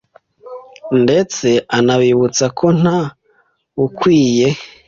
detse anabibutsa ko nta wukwiye